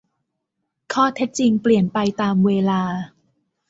ข้อเท็จจริงเปลี่ยนไปตามเวลา